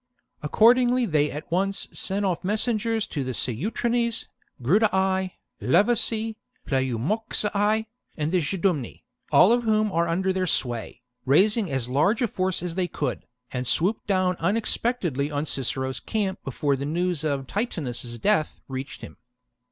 Accordingly they at once sent off mes sengers to the Ceutrones, Grudii, Levaci, Pleu moxii, and Geidumni, all of whom are under their sway, raised as large a force as they could, and swooped down unexpectedly upon Cicero's camp before the news of Titunus's death reached him.